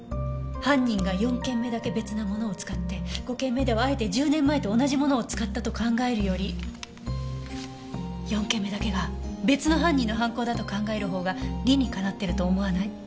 犯人が４件目だけ別なものを使って５件目ではあえて１０年前と同じものを使ったと考えるより４件目だけが別の犯人の犯行だと考える方が理にかなってると思わない？